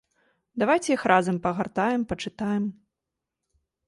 Давайце іх разам пагартаем, пачытаем.